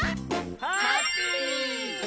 ハッピー！